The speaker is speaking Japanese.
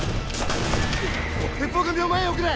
鉄砲組を前へ送れ！